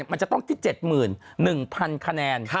มันจะต้องที่๗หมื่น๑พันคะแนน